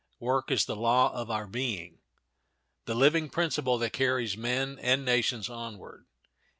Work is the law of our being, the living principle that carries men and nations onward.